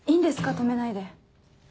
止めないで。